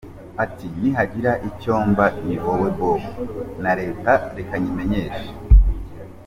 Ati “Nihagira icyo mba ni wowe Bob, na leta reka nyimenyeshe….